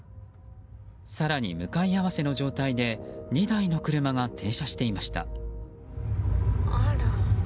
更に向かい合わせの状態で２台の車が停車していました。